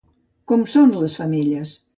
Com són les femelles?